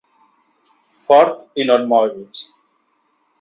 Fort i no et moguis.